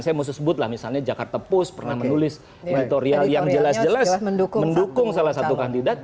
saya mau sebutlah misalnya jakarta post pernah menulis editorial yang jelas jelas mendukung salah satu kandidat